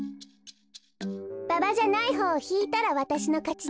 ババじゃないほうをひいたらわたしのかちね。